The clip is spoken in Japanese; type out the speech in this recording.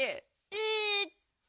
えっと。